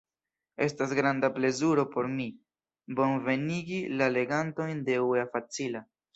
Estas granda plezuro por mi, bonvenigi la legantojn de uea.facila!